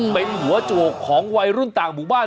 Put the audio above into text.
เป็นหัวโจกของวัยรุ่นต่างหมู่บ้าน